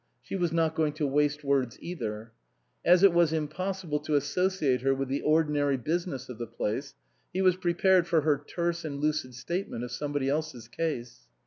She was not going to waste words either. As it was impossible to associate her with the ordinary business of the place, he was prepared for her terse and lucid statement of somebody else's case.